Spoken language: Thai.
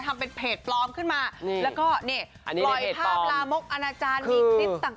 ทำเป็นเพจปลอมขึ้นมาแล้วก็นี่ปล่อยภาพลามกอนาจารย์มีคลิปต่าง